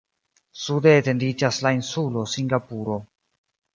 Sude etendiĝas la insulo Singapuro.